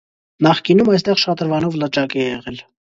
Նախկինում այստեղ շատրվանով լճակ է եղել։